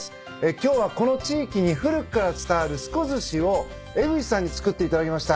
今日はこの地域に古くから伝わる須古ずしを江口さんに作っていただきました。